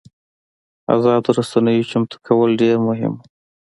ازادو رسنیو چمتو کول ډېر مهم وو.